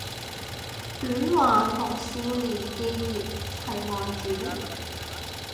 短話同少年寄葉係外傳